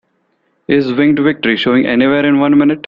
Is Winged Victory showing anywhere in one minute?